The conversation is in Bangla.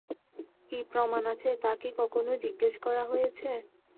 কী প্রমাণ আছে তা কি কখনো জিজ্ঞেস করা হয়েছে?